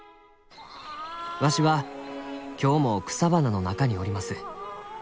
わしは今日も草花の中におります」。